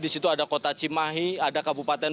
disitu ada kota cimahi ada kabupaten